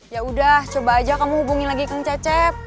ya udah coba aja kamu hubungi lagi kang cecep